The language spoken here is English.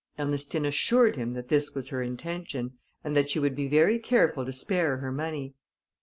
Ernestine assured him that this was her intention, and that she would be very careful to spare her money.